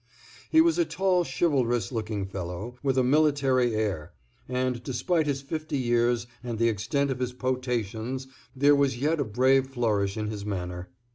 He was a tall chivalrous looking fellow, with a military air, and despite his fifty years and the extent of his potations there was yet a brave flourish in his manner.